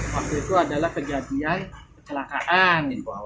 waktu itu adalah kejadian kecelakaan